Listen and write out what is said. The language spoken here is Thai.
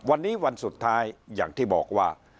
วันนี้วันสุดท้ายอย่างที่บอกว่า